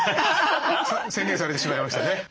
宣言されてしまいましたね。